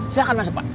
silahkan mas pak